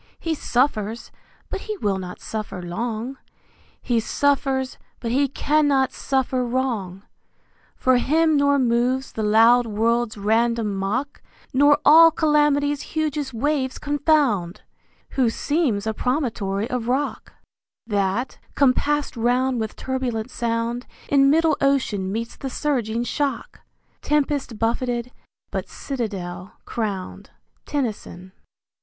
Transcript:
He suffers, but he will not suffer long; He suffers, but he cannot suffer wrong: For him nor moves the loud world's random mock, Nor all Calamity's hugest waves confound, Who seems a promontory of rock, That, compasst round with turbulent sound In middle ocean meets the surging shock, Tempest buffetted but citadel crowned. Tennyson.